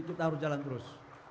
kita harus jalan terus